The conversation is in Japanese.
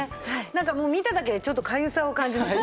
なんかもう見ただけでちょっとかゆさを感じます。